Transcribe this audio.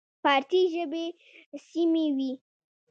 فارسي ژبې سیمې وې.